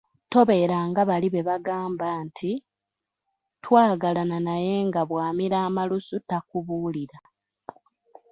Tobeera nga bali be bagamba nti, “Twagalana naye nga bwamira amalusu takubuulira”